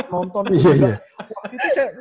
nonton juga waktu itu saya